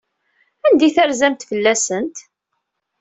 Anda ay terzamt fell-asent?